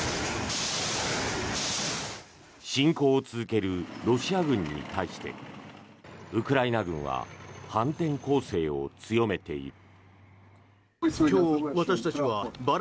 侵攻を続けるロシア軍に対してウクライナ軍は反転攻勢を強めている。